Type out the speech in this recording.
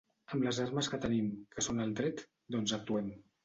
Amb les armes que tenim, que són el dret, doncs actuem.